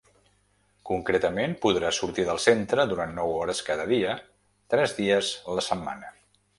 Concretament, podrà sortir del centre durant nou hores cada dia, tres dia la setmana.